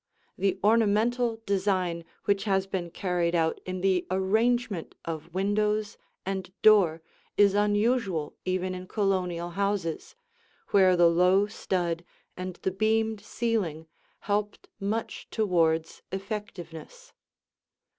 The ornamental design which has been carried out in the arrangement of windows and door is unusual even in Colonial houses, where the low stud and the beamed ceiling helped much towards effectiveness.